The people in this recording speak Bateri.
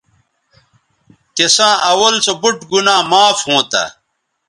تِساں اول سو بُوٹ گنا معاف ھونتہ